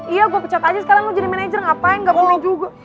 iya gue pecat aja sekarang lo jadi manager ngapain ga boleh juga